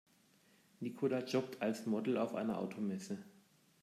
Nicola jobbt als Model auf einer Automesse.